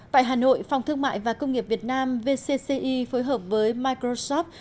tại hà nội phòng thương mại và công nghiệp việt nam vcci phối hợp với microsoft